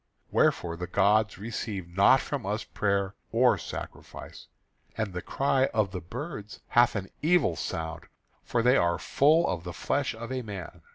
Wherefore the gods receive not from us prayer or sacrifice; and the cry of the birds hath an evil sound, for they are full of the flesh of a man.